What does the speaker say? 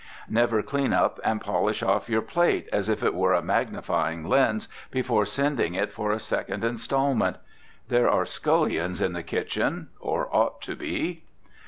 Never clean up and polish off your plate, as if it were a magnifying lens, before sending it for a second installment. There are scullions in the kitchen, or ought to be.